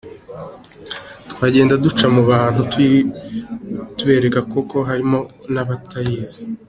Twagendaga duca mu bantu tuyibereka kuko harimo n’abatayizi.